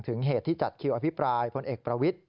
เหตุที่จัดคิวอภิปรายพลเอกประวิทธิ